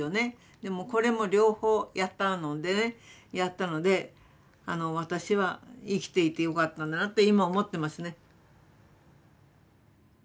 でもこれも両方やったのでねやったので私は生きていてよかったなと今思ってますね。